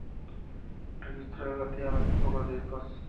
Registró relativamente pocos discos.